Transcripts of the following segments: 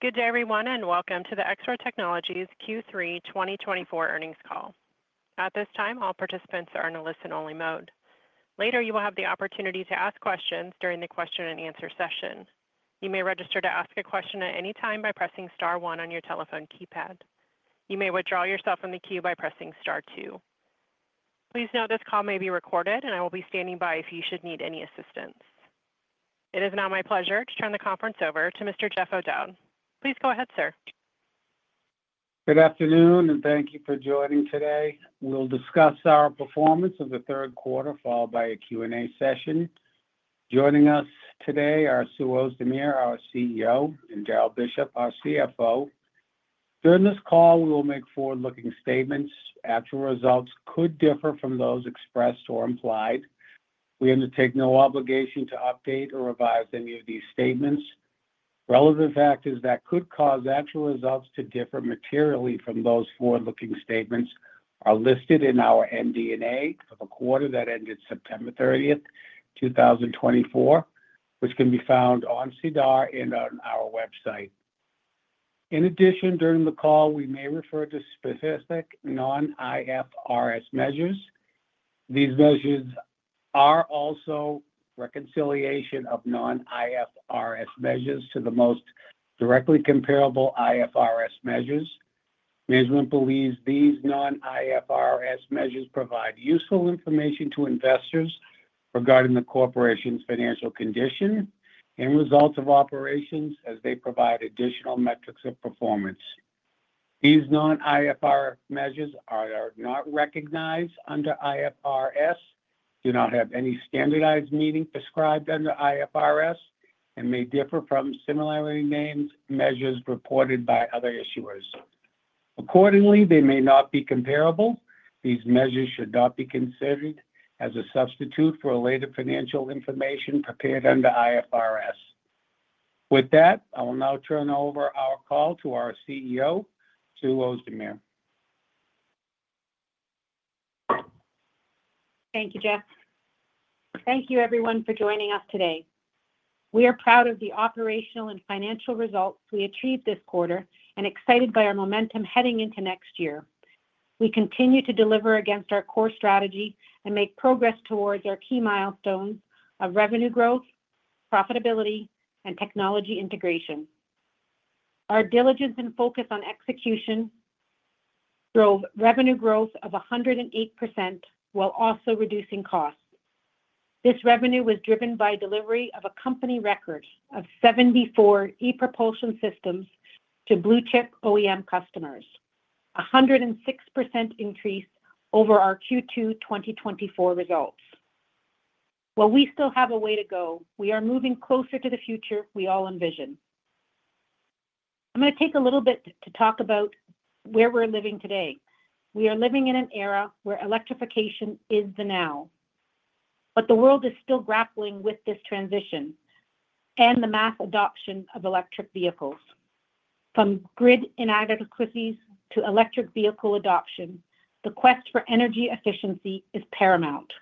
Good day, everyone, and welcome to the Exro Technologies Q3 2024 earnings call. At this time, all participants are in a listen-only mode. Later, you will have the opportunity to ask questions during the question-and-answer session. You may register to ask a question at any time by pressing Star 1 on your telephone keypad. You may withdraw yourself from the queue by pressing Star 2. Please note this call may be recorded, and I will be standing by if you should need any assistance. It is now my pleasure to turn the conference over to Mr. Jeff O'Dowd. Please go ahead, sir. Good afternoon, and thank you for joining today. We'll discuss our performance of the third quarter, followed by a Q&A session. Joining us today are Sue Ozdemir, our CEO, and Darrell Bishop, our CFO. During this call, we will make forward-looking statements. Actual results could differ from those expressed or implied. We undertake no obligation to update or revise any of these statements. Relevant factors that could cause actual results to differ materially from those forward-looking statements are listed in our MD&A for the quarter that ended September 30th, 2024, which can be found on SEDAR and on our website. In addition, during the call, we may refer to specific non-IFRS measures. These measures are also reconciliation of non-IFRS measures to the most directly comparable IFRS measures. Management believes these non-IFRS measures provide useful information to investors regarding the corporation's financial condition and results of operations, as they provide additional metrics of performance. These non-IFRS measures are not recognized under IFRS, do not have any standardized meaning prescribed under IFRS, and may differ from similarly named measures reported by other issuers. Accordingly, they may not be comparable. These measures should not be considered as a substitute for related financial information prepared under IFRS. With that, I will now turn over our call to our CEO, Sue Ozdemir. Thank you, Jeff. Thank you, everyone, for joining us today. We are proud of the operational and financial results we achieved this quarter and excited by our momentum heading into next year. We continue to deliver against our core strategy and make progress towards our key milestones of revenue growth, profitability, and technology integration. Our diligence and focus on execution drove revenue growth of 108% while also reducing costs. This revenue was driven by delivery of a company record of 74 e-propulsion systems to blue-chip OEM customers, a 106% increase over our Q2 2024 results. While we still have a way to go, we are moving closer to the future we all envision. I'm going to take a little bit to talk about where we're living today. We are living in an era where electrification is the now, but the world is still grappling with this transition and the mass adoption of electric vehicles. From grid inadequacies to electric vehicle adoption, the quest for energy efficiency is paramount.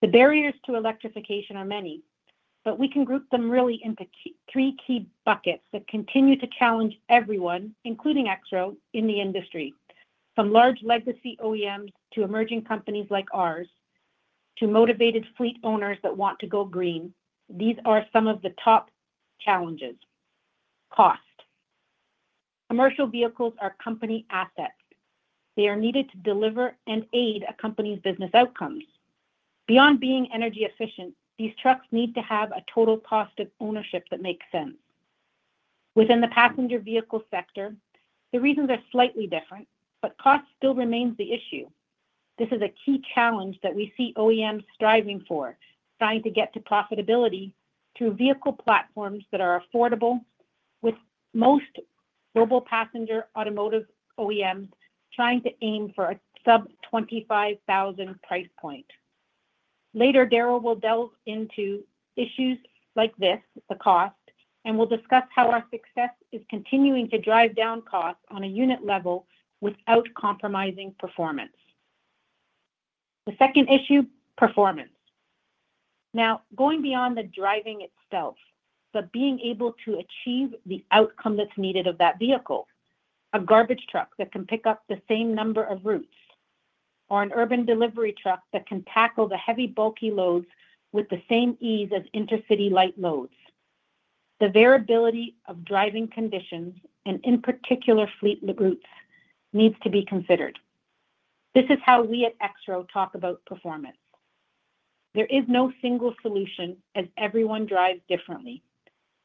The barriers to electrification are many, but we can group them really into three key buckets that continue to challenge everyone, including Exro, in the industry. From large legacy OEMs to emerging companies like ours to motivated fleet owners that want to go green, these are some of the top challenges. Cost. Commercial vehicles are company assets. They are needed to deliver and aid a company's business outcomes. Beyond being energy efficient, these trucks need to have a total cost of ownership that makes sense. Within the passenger vehicle sector, the reasons are slightly different, but cost still remains the issue. This is a key challenge that we see OEMs striving for, trying to get to profitability through vehicle platforms that are affordable, with most global passenger automotive OEMs trying to aim for a sub-CAD 25,000 price point. Later, Darrell will delve into issues like this, the cost, and we'll discuss how our success is continuing to drive down costs on a unit level without compromising performance. The second issue, performance. Now, going beyond the driving itself, but being able to achieve the outcome that's needed of that vehicle, a garbage truck that can pick up the same number of routes, or an urban delivery truck that can tackle the heavy, bulky loads with the same ease as intercity light loads. The variability of driving conditions and, in particular, fleet routes needs to be considered. This is how we at Exro talk about performance. There is no single solution as everyone drives differently.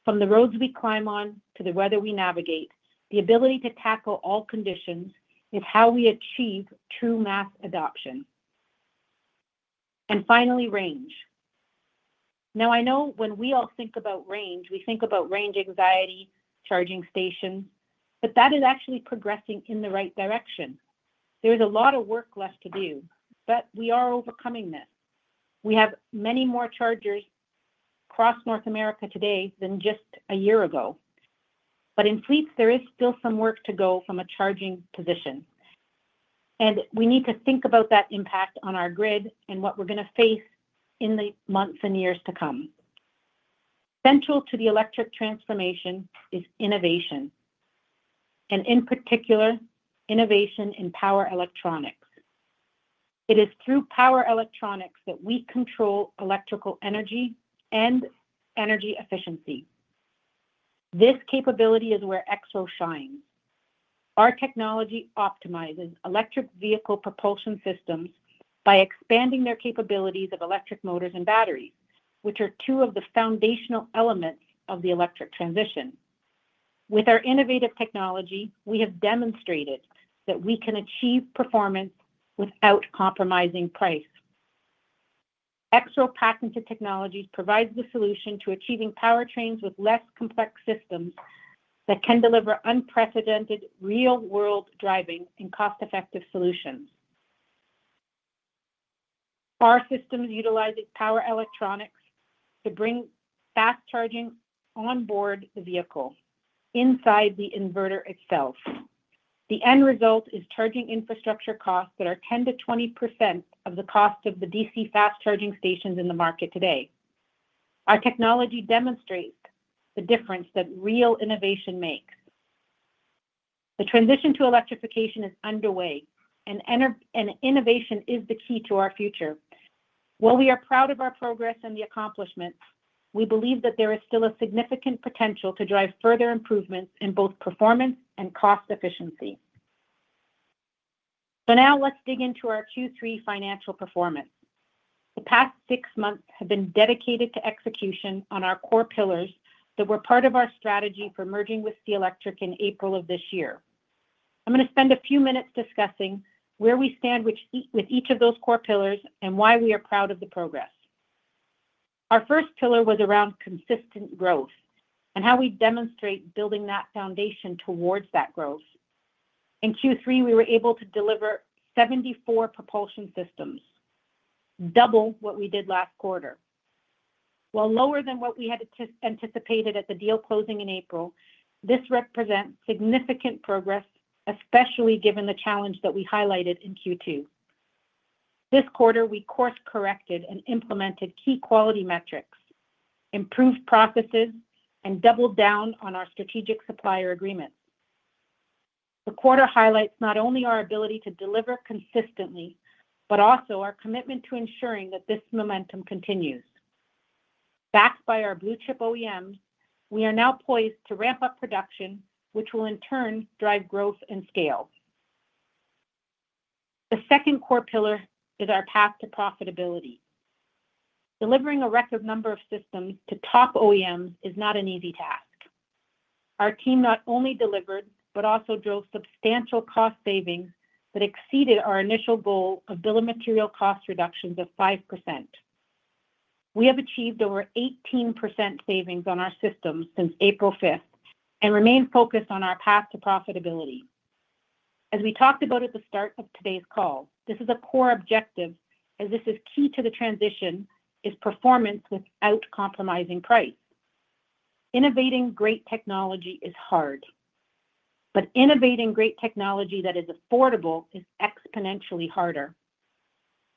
From the roads we climb on to the weather we navigate, the ability to tackle all conditions is how we achieve true mass adoption. And finally, range. Now, I know when we all think about range, we think about range anxiety, charging stations, but that is actually progressing in the right direction. There is a lot of work left to do, but we are overcoming this. We have many more chargers across North America today than just a year ago. But in fleets, there is still some work to go from a charging position. And we need to think about that impact on our grid and what we're going to face in the months and years to come. Central to the electric transformation is innovation, and in particular, innovation in power electronics. It is through power electronics that we control electrical energy and energy efficiency. This capability is where Exro shines. Our technology optimizes electric vehicle propulsion systems by expanding their capabilities of electric motors and batteries, which are two of the foundational elements of the electric transition. With our innovative technology, we have demonstrated that we can achieve performance without compromising price. Exro patented technologies provides the solution to achieving powertrains with less complex systems that can deliver unprecedented real-world driving and cost-effective solutions. Our systems utilize power electronics to bring fast charging onboard the vehicle, inside the inverter itself. The end result is charging infrastructure costs that are 10%-20% of the cost of the DC fast charging stations in the market today. Our technology demonstrates the difference that real innovation makes. The transition to electrification is underway, and innovation is the key to our future. While we are proud of our progress and the accomplishments, we believe that there is still a significant potential to drive further improvements in both performance and cost efficiency. So now, let's dig into our Q3 financial performance. The past six months have been dedicated to execution on our core pillars that were part of our strategy for merging with SEA Electric in April of this year. I'm going to spend a few minutes discussing where we stand with each of those core pillars and why we are proud of the progress. Our first pillar was around consistent growth and how we demonstrate building that foundation towards that growth. In Q3, we were able to deliver 74 propulsion systems, double what we did last quarter. While lower than what we had anticipated at the deal closing in April, this represents significant progress, especially given the challenge that we highlighted in Q2. This quarter, we course-corrected and implemented key quality metrics, improved processes, and doubled down on our strategic supplier agreements. The quarter highlights not only our ability to deliver consistently, but also our commitment to ensuring that this momentum continues. Backed by our blue-chip OEMs, we are now poised to ramp up production, which will in turn drive growth and scale. The second core pillar is our path to profitability. Delivering a record number of systems to top OEMs is not an easy task. Our team not only delivered, but also drove substantial cost savings that exceeded our initial goal of bill of material cost reductions of 5%. We have achieved over 18% savings on our systems since April 5th and remain focused on our path to profitability. As we talked about at the start of today's call, this is a core objective, as this is key to the transition: performance without compromising price. Innovating great technology is hard, but innovating great technology that is affordable is exponentially harder.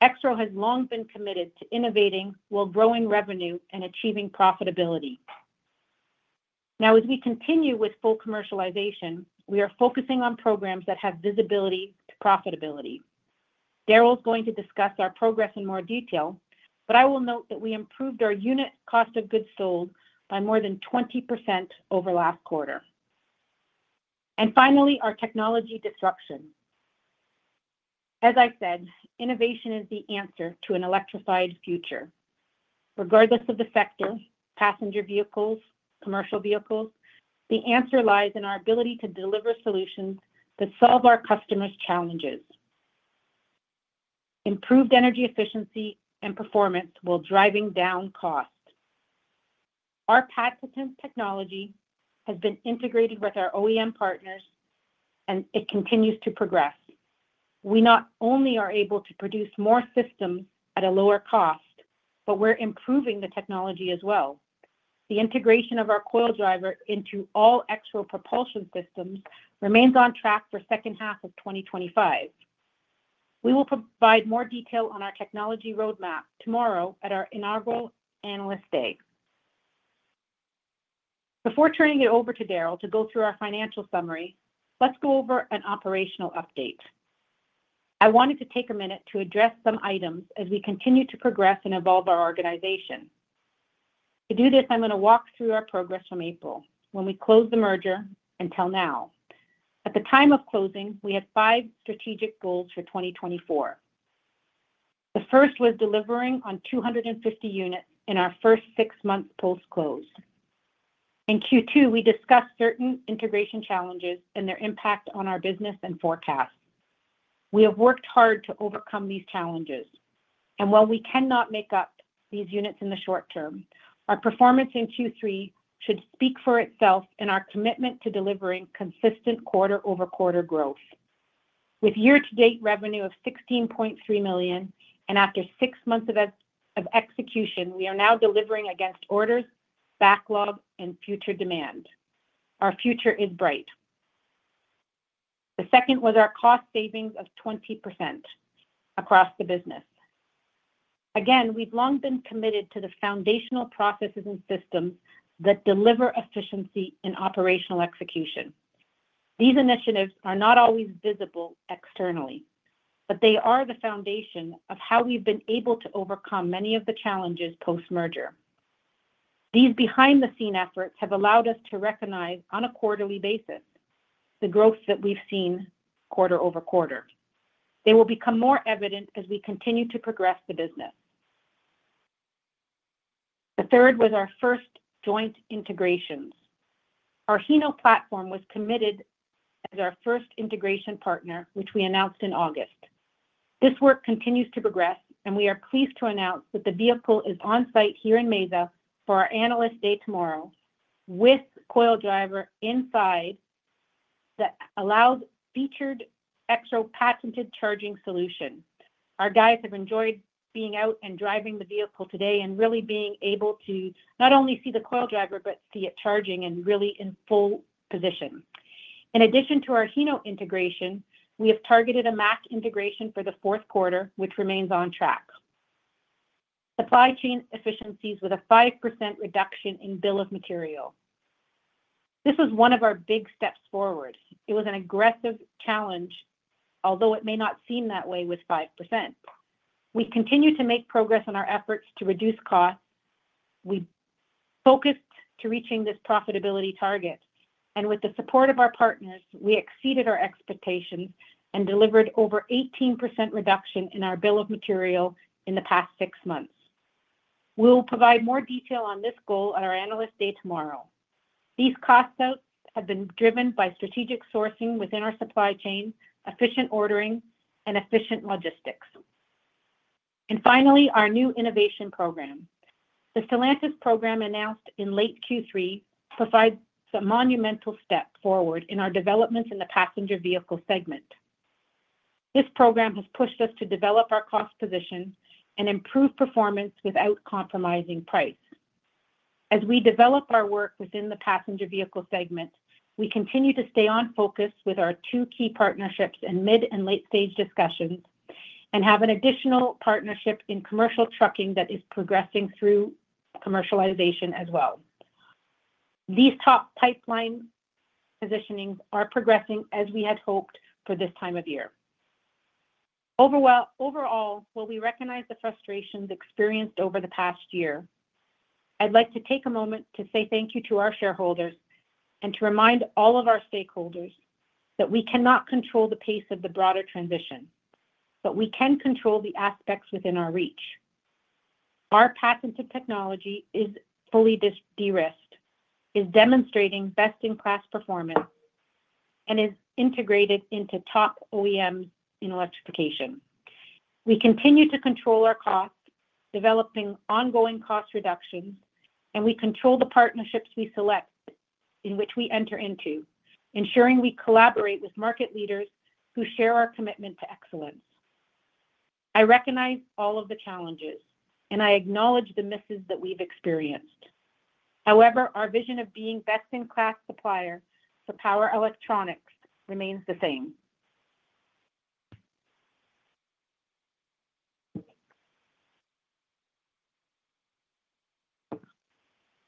Exro has long been committed to innovating while growing revenue and achieving profitability. Now, as we continue with full commercialization, we are focusing on programs that have visibility to profitability. Darrell is going to discuss our progress in more detail, but I will note that we improved our unit cost of goods sold by more than 20% over last quarter, and finally, our technology disruption. As I said, innovation is the answer to an electrified future. Regardless of the sector, passenger vehicles, commercial vehicles, the answer lies in our ability to deliver solutions that solve our customers' challenges. Improved energy efficiency and performance while driving down cost. Our patented technology has been integrated with our OEM partners, and it continues to progress. We not only are able to produce more systems at a lower cost, but we're improving the technology as well. The integration of our Coil Driver into all Exro propulsion systems remains on track for the second half of 2025. We will provide more detail on our technology roadmap tomorrow at our inaugural Analyst Day. Before turning it over to Darrell to go through our financial summary, let's go over an operational update. I wanted to take a minute to address some items as we continue to progress and evolve our organization. To do this, I'm going to walk through our progress from April, when we closed the merger until now. At the time of closing, we had five strategic goals for 2024. The first was delivering on 250 units in our first six months post-close. In Q2, we discussed certain integration challenges and their impact on our business and forecasts. We have worked hard to overcome these challenges, and while we cannot make up these units in the short term, our performance in Q3 should speak for itself in our commitment to delivering consistent quarter-over-quarter growth. With year-to-date revenue of 16.3 million CAD, and after six months of execution, we are now delivering against orders, backlog, and future demand. Our future is bright. The second was our cost savings of 20% across the business. Again, we've long been committed to the foundational processes and systems that deliver efficiency in operational execution. These initiatives are not always visible externally, but they are the foundation of how we've been able to overcome many of the challenges post-merger. These behind-the-scenes efforts have allowed us to recognize on a quarterly basis the growth that we've seen quarter over quarter. They will become more evident as we continue to progress the business. The third was our first joint integrations. Our Hino platform was committed as our first integration partner, which we announced in August. This work continues to progress, and we are pleased to announce that the vehicle is on site here in Mesa for our Analyst Day tomorrow with Coil Driver inside that allows featured Exro patented charging solution. Our guys have enjoyed being out and driving the vehicle today and really being able to not only see the Coil Driver, but see it charging and really in full position. In addition to our Hino integration, we have targeted a Mack integration for the fourth quarter, which remains on track. Supply chain efficiencies with a 5% reduction in bill of materials. This was one of our big steps forward. It was an aggressive challenge, although it may not seem that way with 5%. We continue to make progress on our efforts to reduce costs. We focused on reaching this profitability target and with the support of our partners, we exceeded our expectations and delivered over 18% reduction in our bill of materials in the past six months. We'll provide more detail on this goal at our Analyst Day tomorrow. These cost outs have been driven by strategic sourcing within our supply chain, efficient ordering, and efficient logistics and finally, our new innovation program. The Stellantis program announced in late Q3 provides a monumental step forward in our developments in the passenger vehicle segment. This program has pushed us to develop our cost position and improve performance without compromising price. As we develop our work within the passenger vehicle segment, we continue to stay on focus with our two key partnerships and mid and late-stage discussions and have an additional partnership in commercial trucking that is progressing through commercialization as well. These top pipeline positionings are progressing as we had hoped for this time of year. Overall, while we recognize the frustrations experienced over the past year, I'd like to take a moment to say thank you to our shareholders and to remind all of our stakeholders that we cannot control the pace of the broader transition, but we can control the aspects within our reach. Our patented technology is fully de-risked, is demonstrating best-in-class performance, and is integrated into top OEMs in electrification. We continue to control our costs, developing ongoing cost reductions, and we control the partnerships we select in which we enter into, ensuring we collaborate with market leaders who share our commitment to excellence. I recognize all of the challenges, and I acknowledge the misses that we've experienced. However, our vision of being best-in-class supplier for power electronics remains the same.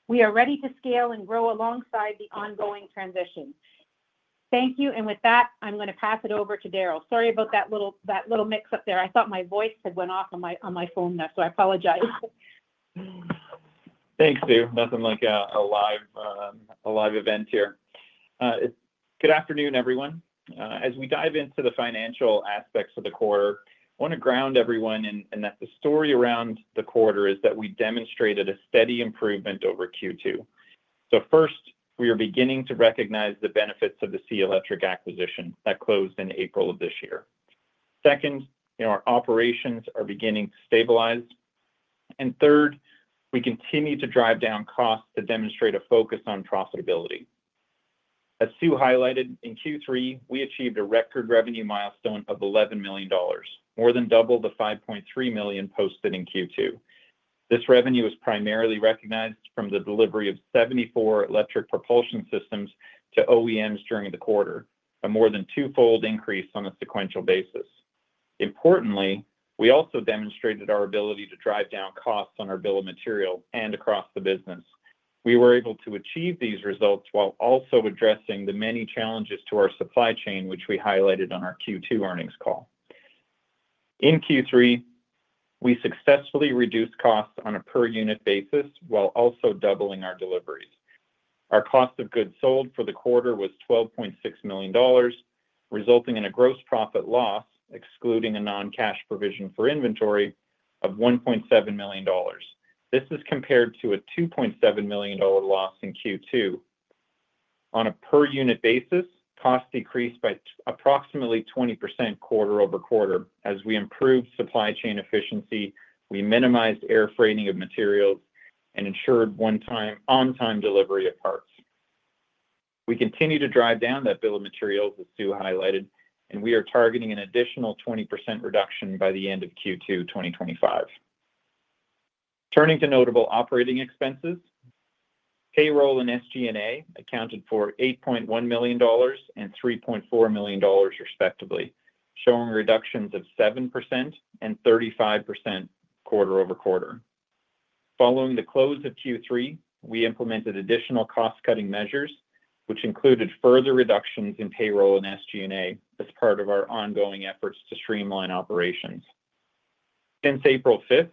We are ready to scale and grow alongside the ongoing transition. Thank you, and with that, I'm going to pass it over to Darrell. Sorry about that little mix-up there. I thought my voice had gone off on my phone there, so I apologize. Thanks, Sue. Nothing like a live event here. Good afternoon, everyone. As we dive into the financial aspects of the quarter, I want to ground everyone in that the story around the quarter is that we demonstrated a steady improvement over Q2. So first, we are beginning to recognize the benefits of the SEA Electric acquisition that closed in April of this year. Second, our operations are beginning to stabilize. And third, we continue to drive down costs to demonstrate a focus on profitability. As Sue highlighted, in Q3, we achieved a record revenue milestone of 11 million dollars, more than double the 5.3 million posted in Q2. This revenue was primarily recognized from the delivery of 74 electric propulsion systems to OEMs during the quarter, a more than twofold increase on a sequential basis. Importantly, we also demonstrated our ability to drive down costs on our bill of material and across the business. We were able to achieve these results while also addressing the many challenges to our supply chain, which we highlighted on our Q2 earnings call. In Q3, we successfully reduced costs on a per-unit basis while also doubling our deliveries. Our cost of goods sold for the quarter was 12.6 million dollars, resulting in a gross profit loss, excluding a non-cash provision for inventory, of 1.7 million dollars. This is compared to a 2.7 million dollar loss in Q2. On a per-unit basis, costs decreased by approximately 20% quarter over quarter as we improved supply chain efficiency, we minimized air freighting of materials, and ensured on-time delivery of parts. We continue to drive down that bill of materials, as Sue highlighted, and we are targeting an additional 20% reduction by the end of Q2 2025. Turning to notable operating expenses, payroll and SG&A accounted for 8.1 million dollars and 3.4 million dollars, respectively, showing reductions of 7% and 35% quarter over quarter. Following the close of Q3, we implemented additional cost-cutting measures, which included further reductions in payroll and SG&A as part of our ongoing efforts to streamline operations. Since April 5th,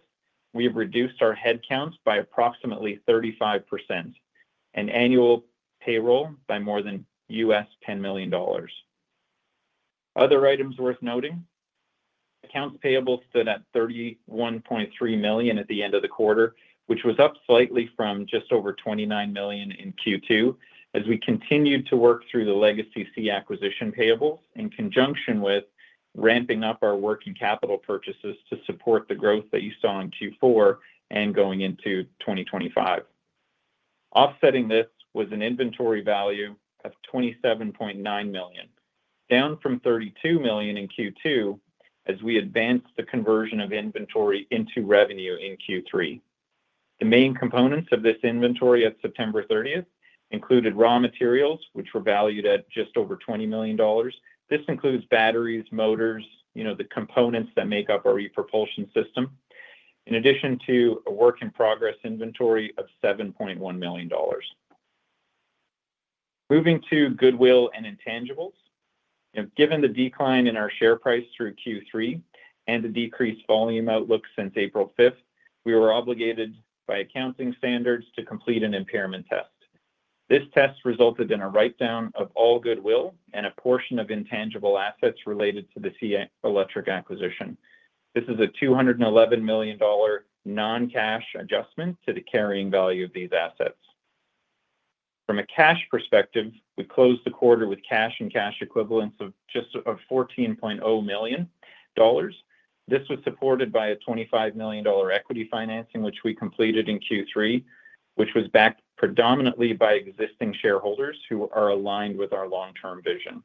we have reduced our headcounts by approximately 35% and annual payroll by more than $10 million. Other items worth noting: accounts payable stood at 31.3 million at the end of the quarter, which was up slightly from just over 29 million in Q2 as we continued to work through the legacy SEA acquisition payables in conjunction with ramping up our working capital purchases to support the growth that you saw in Q4 and going into 2025. Offsetting this was an inventory value of 27.9 million, down from 32 million in Q2 as we advanced the conversion of inventory into revenue in Q3. The main components of this inventory at September 30th included raw materials, which were valued at just over 20 million dollars. This includes batteries, motors, the components that make up our propulsion system, in addition to a work-in-progress inventory of 7.1 million dollars. Moving to goodwill and intangibles. Given the decline in our share price through Q3 and the decreased volume outlook since April 5th, we were obligated by accounting standards to complete an impairment test. This test resulted in a write-down of all goodwill and a portion of intangible assets related to the SEA Electric acquisition. This is a 211 million dollar non-cash adjustment to the carrying value of these assets. From a cash perspective, we closed the quarter with cash and cash equivalents of just 14.0 million dollars. This was supported by a 25 million dollar equity financing, which we completed in Q3, which was backed predominantly by existing shareholders who are aligned with our long-term vision.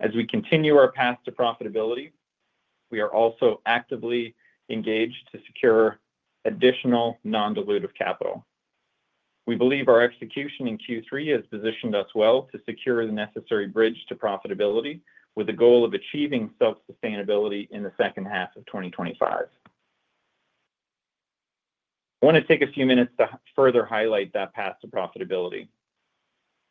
As we continue our path to profitability, we are also actively engaged to secure additional non-dilutive capital. We believe our execution in Q3 has positioned us well to secure the necessary bridge to profitability with the goal of achieving self-sustainability in the second half of 2025. I want to take a few minutes to further highlight that path to profitability.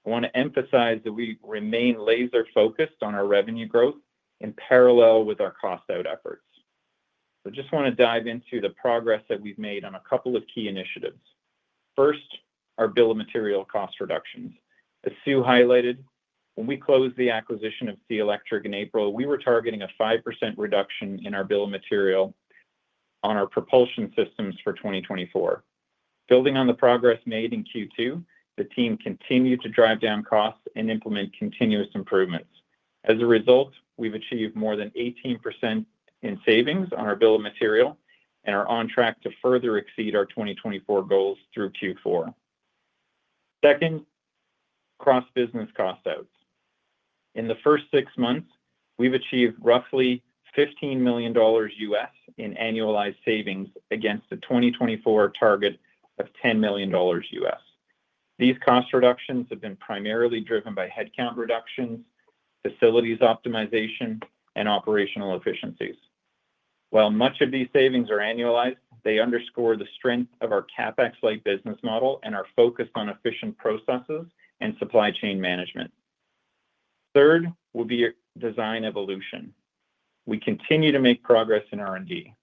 I want to emphasize that we remain laser-focused on our revenue growth in parallel with our cost-out efforts. I just want to dive into the progress that we've made on a couple of key initiatives. First, our bill of materials cost reductions. As Sue highlighted, when we closed the acquisition of SEA Electric in April, we were targeting a 5% reduction in our bill of material on our propulsion systems for 2024. Building on the progress made in Q2, the team continued to drive down costs and implement continuous improvements. As a result, we've achieved more than 18% in savings on our bill of material and are on track to further exceed our 2024 goals through Q4. Second, cross-business cost outs. In the first six months, we've achieved roughly $15 million in annualized savings against a 2024 target of $10 million. These cost reductions have been primarily driven by headcount reductions, facilities optimization, and operational efficiencies. While much of these savings are annualized, they underscore the strength of our CapEx-like business model and our focus on efficient processes and supply chain management. Third will be design evolution. We continue to make progress in R&D.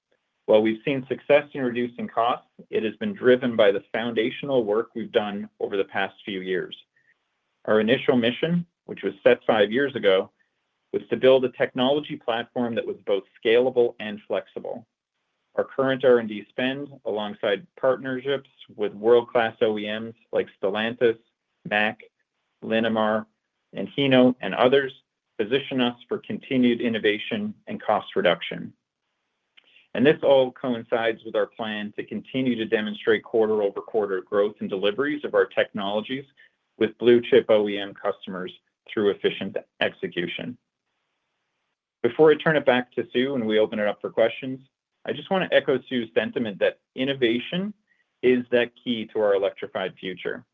While we've seen success in reducing costs, it has been driven by the foundational work we've done over the past few years. Our initial mission, which was set five years ago, was to build a technology platform that was both scalable and flexible. Our current R&D spend, alongside partnerships with world-class OEMs like Stellantis, Mack, Linamar, and Hino, and others, position us for continued innovation and cost reduction, and this all coincides with our plan to continue to demonstrate quarter-over-quarter growth and deliveries of our technologies with blue-chip OEM customers through efficient execution. Before I turn it back to Sue and we open it up for questions, I just want to echo Sue's sentiment that innovation is the key to our electrified future.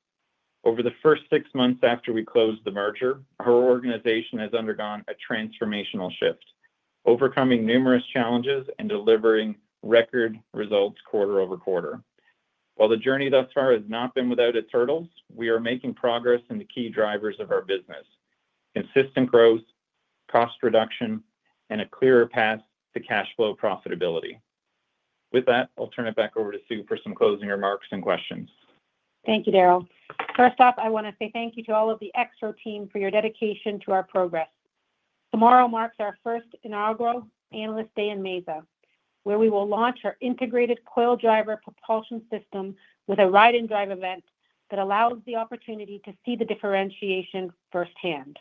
Over the first six months after we closed the merger, her organization has undergone a transformational shift, overcoming numerous challenges and delivering record results quarter over quarter. While the journey thus far has not been without its hurdles, we are making progress in the key drivers of our business: consistent growth, cost reduction, and a clearer path to cash flow profitability. With that, I'll turn it back over to Sue for some closing remarks and questions. Thank you, Darrell. First off, I want to say thank you to all of the Exro team for your dedication to our progress. Tomorrow marks our first inaugural Analyst Day in Mesa, where we will launch our integrated Coil Driver propulsion system with a ride-and-drive event that allows the opportunity to see the differentiation firsthand,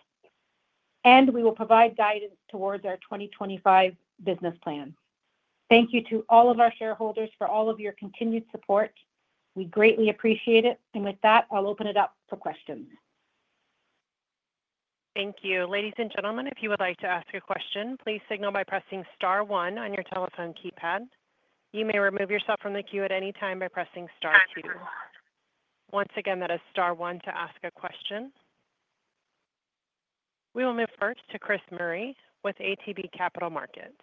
and we will provide guidance towards our 2025 business plan. Thank you to all of our shareholders for all of your continued support. We greatly appreciate it, and with that, I'll open it up for questions. Thank you. Ladies and gentlemen, if you would like to ask a question, please signal by pressing Star 1 on your telephone keypad. You may remove yourself from the queue at any time by pressing Star 2. Once again, that is Star 1 to ask a question. We will move first to Chris Murray with ATB Capital Markets.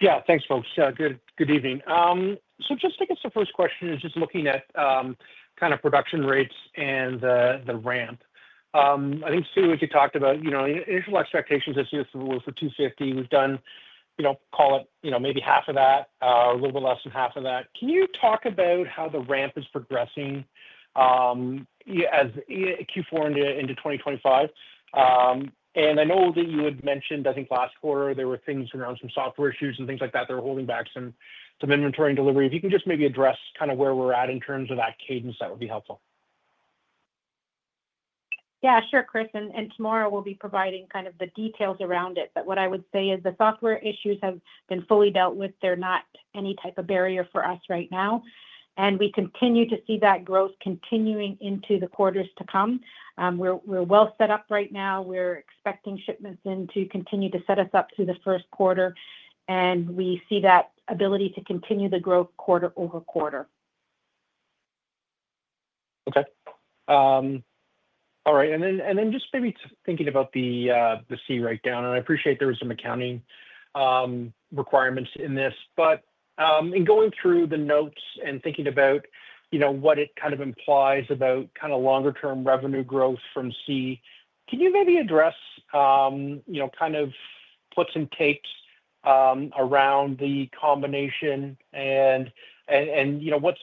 Yeah, thanks, folks. Good evening, so just to get the first question is just looking at kind of production rates and the ramp. I think, Sue, as you talked about, initial expectations as to what was for 250, we've done, call it maybe half of that, a little bit less than half of that. Can you talk about how the ramp is progressing as Q4 into 2025? And I know that you had mentioned, I think, last quarter, there were things around some software issues and things like that. They were holding back some inventory and delivery. If you can just maybe address kind of where we're at in terms of that cadence, that would be helpful. Yeah, sure, Chris. And tomorrow we'll be providing kind of the details around it. But what I would say is the software issues have been fully dealt with. They're not any type of barrier for us right now. And we continue to see that growth continuing into the quarters to come. We're well set up right now. We're expecting shipments in to continue to set us up through the first quarter. And we see that ability to continue the growth quarter over quarter. Okay. All right. And then just maybe thinking about the SEA write-down, and I appreciate there were some accounting requirements in this. But in going through the notes and thinking about what it kind of implies about kind of longer-term revenue growth from SEA, can you maybe address kind of what's in takes around the combination and what's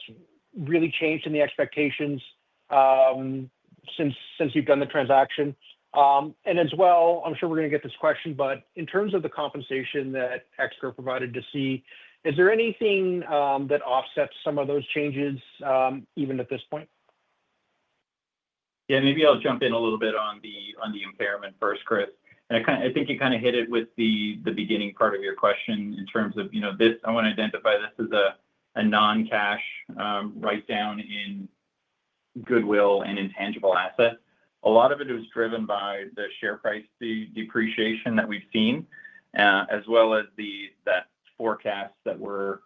really changed in the expectations since you've done the transaction? And as well, I'm sure we're going to get this question, but in terms of the compensation that Exro provided to SEA, is there anything that offsets some of those changes even at this point? Yeah, maybe I'll jump in a little bit on the impairment first, Chris. And I think you kind of hit it with the beginning part of your question in terms of this. I want to identify this as a non-cash write-down in goodwill and intangible assets. A lot of it was driven by the share price depreciation that we've seen, as well as that forecast that we're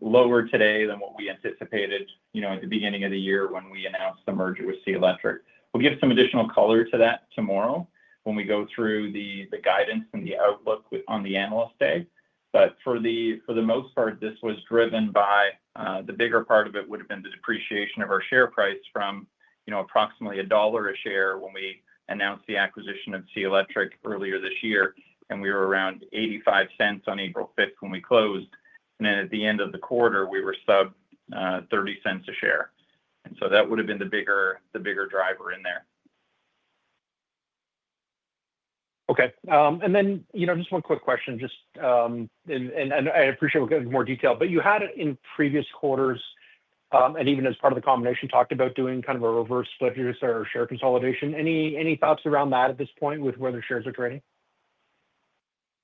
lower today than what we anticipated at the beginning of the year when we announced the merger with SEA Electric. We'll give some additional color to that tomorrow when we go through the guidance and the outlook on the Analyst Day. But for the most part, this was driven by the bigger part of it would have been the depreciation of our share price from approximately CAD 1 a share when we announced the acquisition of SEA Electric earlier this year. And we were around 0.85 on April 5th when we closed. And then at the end of the quarter, we were sub 0.30 a share. And so that would have been the bigger driver in there. Okay. And then just one quick question, and I appreciate we'll get into more detail, but you had in previous quarters and even as part of the combination talked about doing kind of a reverse split or share consolidation. Any thoughts around that at this point with where the shares are trading?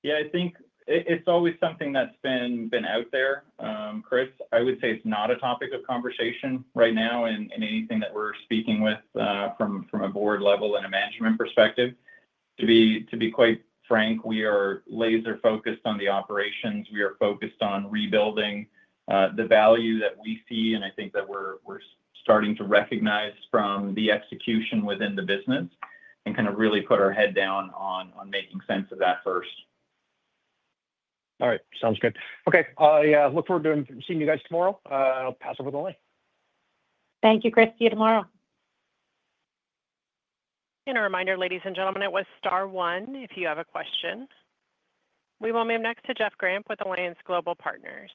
Yeah, I think it's always something that's been out there, Chris. I would say it's not a topic of conversation right now in anything that we're speaking with from a board level and a management perspective. To be quite frank, we are laser-focused on the operations. We are focused on rebuilding the value that we see, and I think that we're starting to recognize from the execution within the business and kind of really put our head down on making sense of that first. All right. Sounds good. Okay. Yeah, look forward to seeing you guys tomorrow. I'll pass over the line. Thank you, Chris. See you tomorrow. And a reminder, ladies and gentlemen, it was Star 1 if you have a question. We will move next to Jeff Grampp with Alliance Global Partners.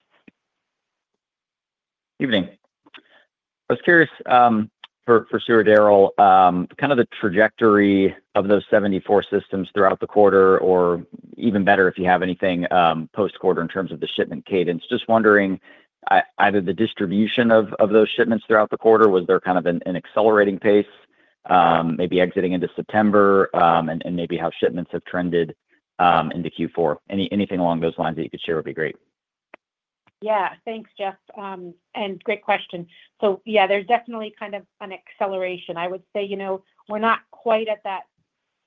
Good evening. I was curious for Sue or Darrell, kind of the trajectory of those 74 systems throughout the quarter, or even better if you have anything post-quarter in terms of the shipment cadence. Just wondering either the distribution of those shipments throughout the quarter, was there kind of an accelerating pace, maybe exiting into September, and maybe how shipments have trended into Q4? Anything along those lines that you could share would be great. Yeah. Thanks, Jeff. And great question. So yeah, there's definitely kind of an acceleration. I would say we're not quite at that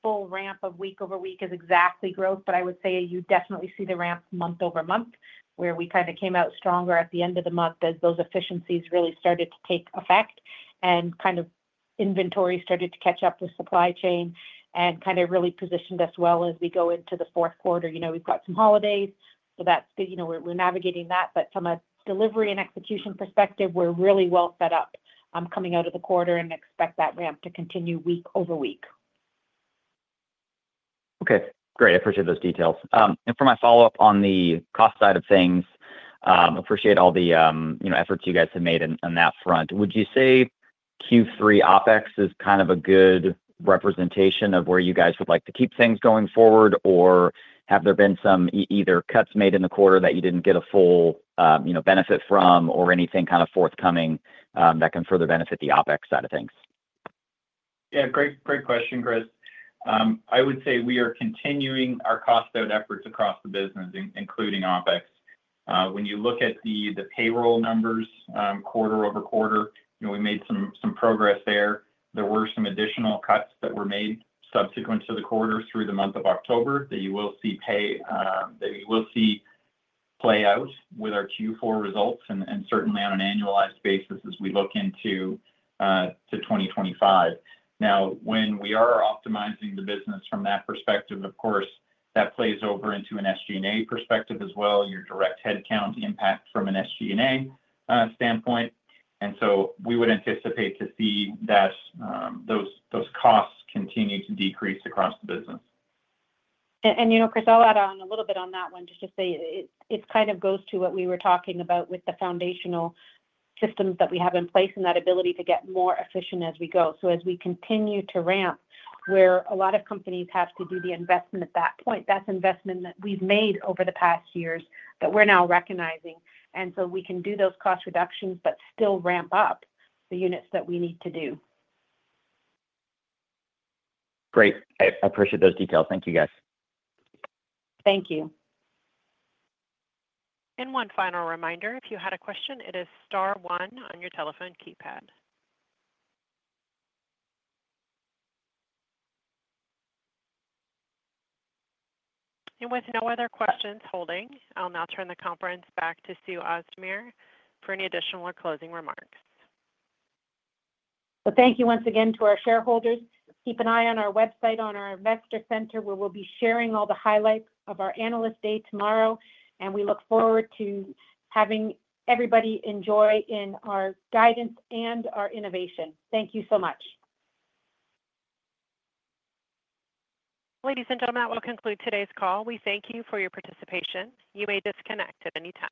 full ramp of week-over-week. Is exactly growth, but I would say you definitely see the ramp month-over-month where we kind of came out stronger at the end of the month as those efficiencies really started to take effect and kind of inventory started to catch up with supply chain and kind of really positioned as well as we go into the fourth quarter. We've got some holidays, so we're navigating that, but from a delivery and execution perspective, we're really well set up coming out of the quarter and expect that ramp to continue week-over-week. Okay. Great. I appreciate those details, and for my follow-up on the cost side of things, appreciate all the efforts you guys have made on that front. Would you say Q3 OpEx is kind of a good representation of where you guys would like to keep things going forward, or have there been some either cuts made in the quarter that you didn't get a full benefit from or anything kind of forthcoming that can further benefit the OpEx side of things? Yeah. Great question, Chris. I would say we are continuing our cost-out efforts across the business, including OpEx. When you look at the payroll numbers quarter over quarter, we made some progress there. There were some additional cuts that were made subsequent to the quarter through the month of October that you will see play out with our Q4 results and certainly on an annualized basis as we look into 2025. Now, when we are optimizing the business from that perspective, of course, that plays over into an SG&A perspective as well, your direct headcount impact from an SG&A standpoint. And so we would anticipate to see those costs continue to decrease across the business. And Chris, I'll add on a little bit on that one just to say it kind of goes to what we were talking about with the foundational systems that we have in place and that ability to get more efficient as we go. So as we continue to ramp, where a lot of companies have to do the investment at that point, that's investment that we've made over the past years that we're now recognizing. And so we can do those cost reductions but still ramp up the units that we need to do. Great. I appreciate those details. Thank you, guys. Thank you. One final reminder, if you had a question, it is Star 1 on your telephone keypad. With no other questions holding, I'll now turn the conference back to Sue Ozdemir for any additional or closing remarks. Thank you once again to our shareholders. Keep an eye on our website on our Investor Center. We will be sharing all the highlights of our Analyst Day tomorrow. We look forward to having everybody enjoy our guidance and our innovation. Thank you so much. Ladies and gentlemen, that will conclude today's call. We thank you for your participation. You may disconnect at any time.